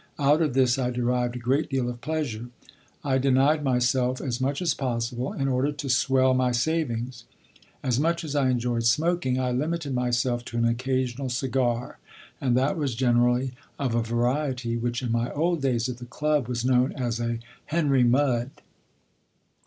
Out of this I derived a great deal of pleasure. I denied myself as much as possible in order to swell my savings. As much as I enjoyed smoking, I limited myself to an occasional cigar, and that was generally of a variety which in my old days at the "Club" was known as a "Henry Mud."